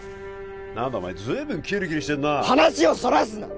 何だお前随分キリキリしてんな話をそらすな！